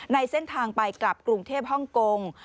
ในเส้นทางไปกลับกรุงเทพฮ่องกง